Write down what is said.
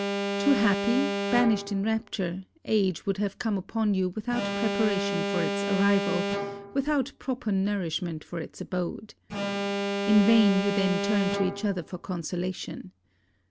Too happy, banished in rapture, age would have come upon you without preparation for its arrival, without proper nourishment for its abode. In vain you then turn to each other for consolation.